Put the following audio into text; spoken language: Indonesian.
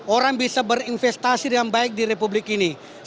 orang bisa berinvestasi dengan baik di republik ini